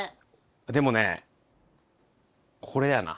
でもねこれやな。